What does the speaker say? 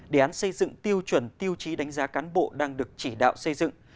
đề án xây dựng tiêu chuẩn tiêu chí đánh giá cán bộ đang được chỉ đạo xây dựng